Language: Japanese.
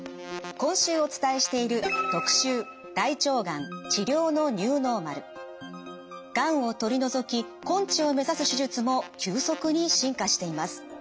今週お伝えしているがんを取り除き根治を目指す手術も急速に進化しています。